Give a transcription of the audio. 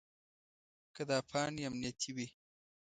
که دا پاڼې امنیتي وي.